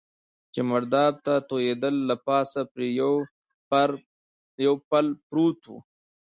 چې مرداب ته توېېدل، له پاسه پرې یو پل پروت و.